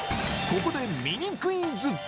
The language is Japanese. ここでミニクイズ！